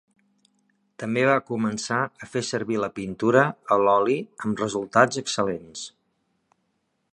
També va començar a fer servir la pintura a l'oli amb resultats excel·lents.